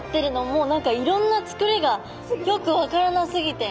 もう何かいろんなつくりがよく分からなすぎて。